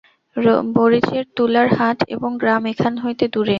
বরীচের তুলার হাট এবং গ্রাম এখান হইতে দূরে।